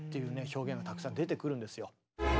表現がたくさん出てくるんですよ。